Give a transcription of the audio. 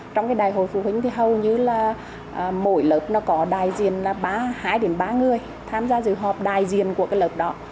trong cái đại hội phụ huynh thì hầu như là mỗi lớp nó có đại diện là hai đến ba người tham gia dự họp đại diện của cái lớp đó